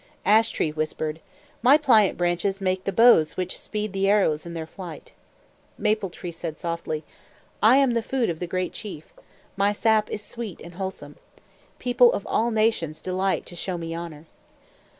Ash Tree whispered, "My pliant branches make the bows which speed the arrows in their flight." Maple Tree said softly, "I am the food of the Great Chief. My sap is sweet and wholesome. People of all nations delight to show me honor."